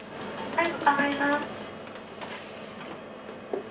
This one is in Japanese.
はい。